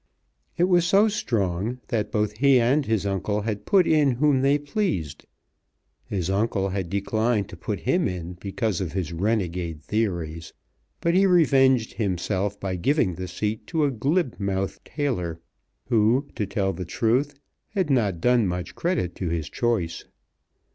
It was so strong that both he and his uncle had put in whom they pleased. His uncle had declined to put him in because of his renegade theories, but he revenged himself by giving the seat to a glib mouthed tailor, who, to tell the truth, had not done much credit to his choice.